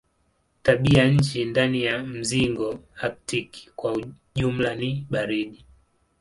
Tabianchi ndani ya mzingo aktiki kwa jumla ni baridi.